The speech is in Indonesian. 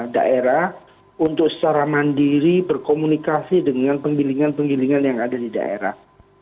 daerah untuk secara mandiri berkomunikasi dengan penggilingan penggilingan yang ada di daerah